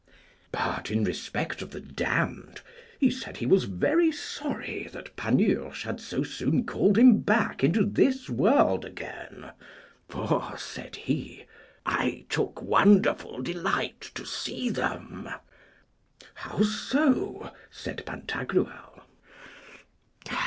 But, in respect of the damned, he said he was very sorry that Panurge had so soon called him back into this world again; for, said he, I took wonderful delight to see them. How so? said Pantagruel.